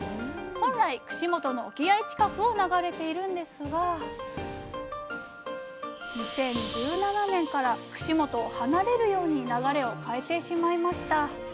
本来串本の沖合近くを流れているんですが２０１７年から串本を離れるように流れを変えてしまいました。